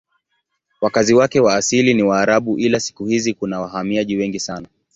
Wakazi wake wa asili ni Waarabu ila siku hizi kuna wahamiaji wengi sana.